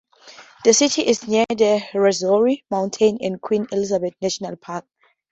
The city is near the Rwenzori Mountains and Queen Elizabeth National Park.